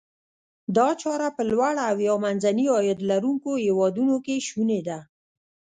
دا چاره په لوړ او یا منځني عاید لرونکو هیوادونو کې شوني ده.